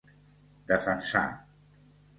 Defensar